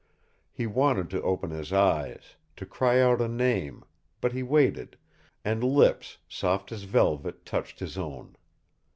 He wanted to open his eyes, to cry out a name, but he waited, and lips soft as velvet touched his own.